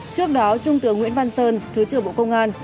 trước đó trung tướng nguyễn văn sơn thứ trưởng bộ công an